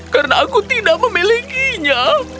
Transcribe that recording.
karena aku tidak memilikinya